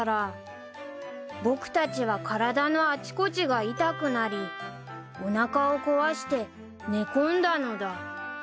［僕たちは体のあちこちが痛くなりおなかを壊して寝込んだのだ］